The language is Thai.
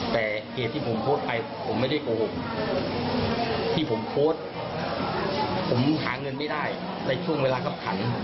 แต่เหตุที่ผมโพสต์ไปผมไม่ได้โกหกที่ผมโพสต์ผมหาเงินไม่ได้ในช่วงเวลาก็ขัน